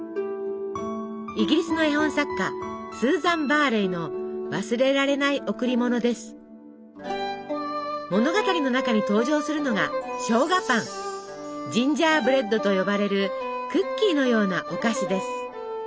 イギリスの絵本作家スーザン・バーレイの物語の中に登場するのがジンジャーブレッドと呼ばれるクッキーのようなお菓子です。